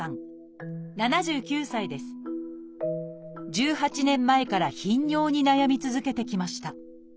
１８年前から頻尿に悩み続けてきました。